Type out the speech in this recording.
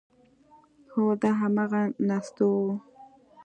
هو دا همغه نستوه و…